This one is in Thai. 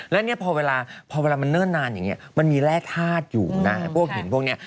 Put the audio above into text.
และพอเวลามันเนิ่นนานอย่างนี้มันมีแร่ธาตุอยู่นะพวกเห็นพวกนี้